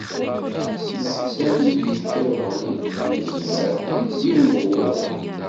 D leḥsab i d-yefka uɣlif n tezmert, deg yiwen n wulɣu.